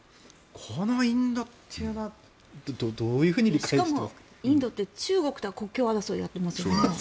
このインドっていうのはしかも、インドって中国とは国境争いをやっていますよね。